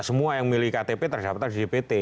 semua yang memiliki ktp terdaftar di dpt